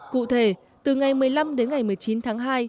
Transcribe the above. cụ thể từ ngày một mươi năm đến ngày một mươi chín tháng hai